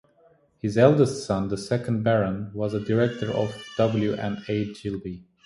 His eldest son, the second Baron, was a Director of W. and A. Gilbey.